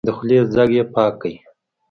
د خولې ځګ يې پاک کړ.